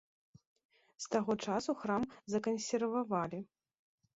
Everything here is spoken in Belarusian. З таго часу храм закансервавалі.